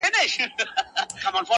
ويل يې غواړم ځوانيمرگ سي؛